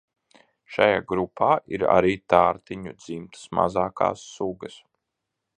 Šajā grupā ir arī tārtiņu dzimtas mazākās sugas.